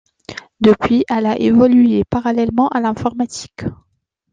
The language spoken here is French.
Depuis, elle a évolué parallèlement à l’informatique.